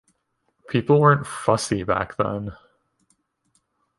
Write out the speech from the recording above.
People weren't fussy back then.